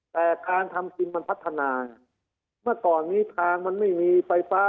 แต่การทำกินมันพัฒนาไงเมื่อก่อนนี้ทางมันไม่มีไฟฟ้า